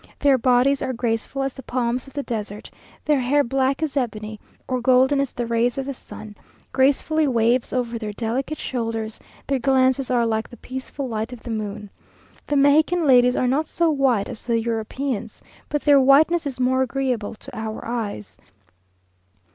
Their bodies are graceful as the palms of the desert; their hair black as ebony, or golden as the rays of the sun, gracefully waves over their delicate shoulders; their glances are like the peaceful light of the moon. The Mexican ladies are not so white as the Europeans, but their whiteness is more agreeable to our eyes.